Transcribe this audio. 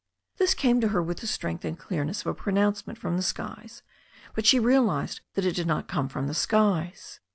This came to her with the strength and clearness of a pronouncement from the skies, but she realized that it did not come from the skies.